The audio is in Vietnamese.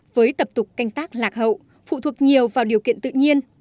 với tập tục canh tác lạc hậu phụ thuộc nhiều vào điều kiện tự nhiên